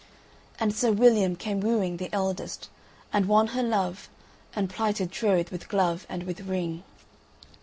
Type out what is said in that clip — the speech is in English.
And Sir William came wooing the eldest and won her love and plighted troth with glove and with ring.